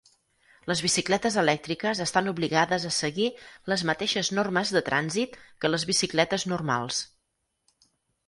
Les bicicletes elèctriques estan obligades a seguir les mateixes normes de trànsit que les bicicletes normals.